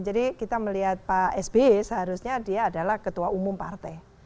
jadi kita melihat pak sbi seharusnya dia adalah ketua umum partai